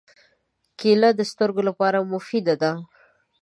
کېله د سترګو لپاره مفیده ده.